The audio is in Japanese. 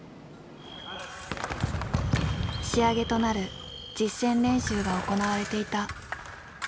仕上げとなる実戦練習が行われていた。